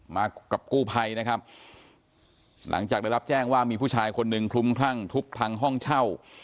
มากับกู้ภัยนะครับหลังจากได้รับแจ้งว่ามีผู้ชายคนหนึ่งคลุมคลั่งทุบพังห้องเช่า